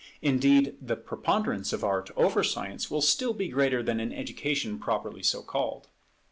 Indeed the preponderance of Art over Science will be still greater than in education properly so called.